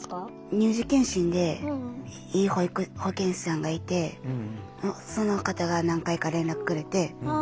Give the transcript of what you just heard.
乳児健診でいい保健師さんがいてその方が何回か連絡くれて相談するようになりました。